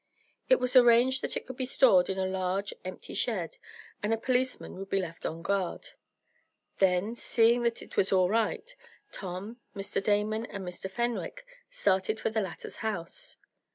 It was arranged that it could be stored in a large, empty shed, and a policeman would be left on guard. Then, seeing that it was all right, Tom, Mr. Damon and Mr. Fenwick started for the latter's house.